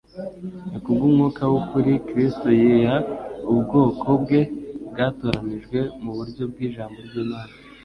Ni kubw'Umwuka w'ukuri Kristo yiha ubwoko bwe bwatoranijwe mu buryo bw'Ijambo ry'Imana.